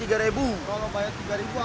kalau banyak tiga aman